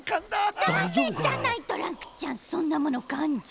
ダメじゃないトランクちゃんそんなものかんじゃ。